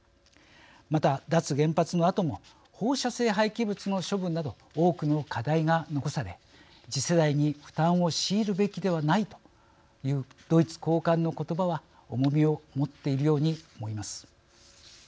また脱原発のあとも放射性廃棄物の処分など多くの課題が残され次世代に負担を強いるべきではないというドイツ高官の言葉は重みを持っているように思います。